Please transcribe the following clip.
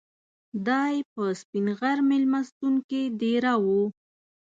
دای په سپین غر میلمستون کې دېره و.